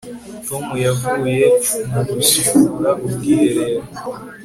tom yavuye mu gusukura ubwiherero